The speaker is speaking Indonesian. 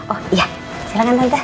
oh iya silahkan tante